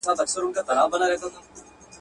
د پوهي په ډګر کي هر ګام په دقت پورته کړه.